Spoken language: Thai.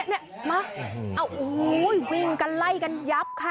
เนี่ยมาโอ้โหวิ่งกันไล่กันยับค่ะ